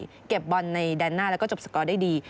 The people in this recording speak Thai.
ก็แอบเก็บบอลในแดนหน้าแล้วก็จบสากรอยได้ดี